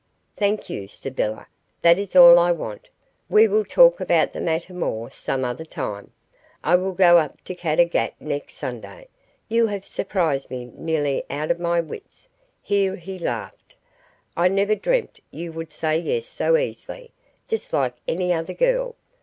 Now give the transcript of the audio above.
"Thank you, Sybylla, that is all I want. We will talk about the matter more some other time. I will go up to Caddagat next Sunday. You have surprised me nearly out of my wits," here he laughed. "I never dreamt you would say yes so easily, just like any other girl.